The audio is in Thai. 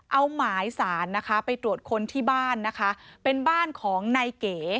เอาหมายสารนะคะไปตรวจค้นที่บ้านนะคะเป็นบ้านของนายเก๋